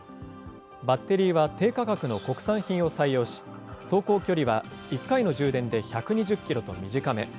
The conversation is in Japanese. バッテリーは低価格の国産品を採用し、走行距離は１回の充電で１２０キロと短め。